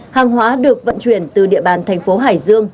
hàng hóa được vận chuyển từ địa bàn thành phố hải dương